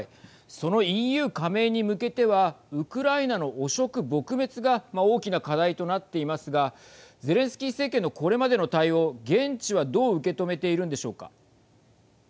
そのＥＵ加盟に向けてはウクライナの汚職撲滅が大きな課題となっていますがゼレンスキー政権のこれまでの対応現地はどう受け止めているんでしょうか。